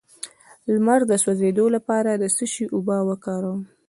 د لمر د سوځیدو لپاره د څه شي اوبه وکاروم؟